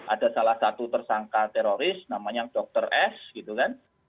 ada salah satu tersangka teroris namanya dr s gitu kan